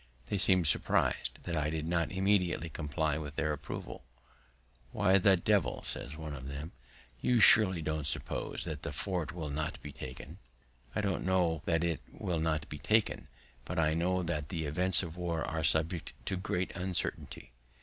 They seem'd surpris'd that I did not immediately comply with their proposal. "Why the d l!" says one of them, "you surely don't suppose that the fort will not be taken?" "I don't know that it will not be taken, but I know that the events of war are subject to great uncertainty."